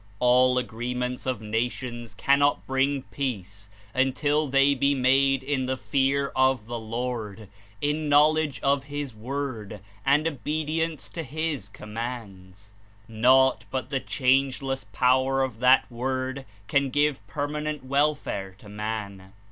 All agree ments of nations cannot bring peace until they be made In the "fear of the Lord," in knowledge of his Word and obedience to his Commands. Naught but the changeless power of that Word can give permanent welfare to man.